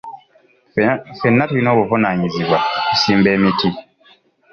Ffenna tulina obuvunaanyizibwa okusimba emiti.